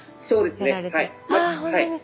そうですねはい。